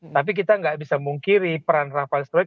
tapi kita nggak bisa mungkir di peran rafael struyck